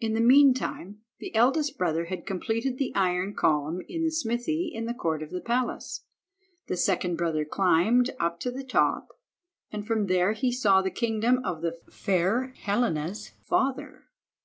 In the meantime the eldest brother had completed the iron column in the smithy in the court of the palace. The second brother climbed up to the top, and from there he saw the kingdom of the fair Helena's father.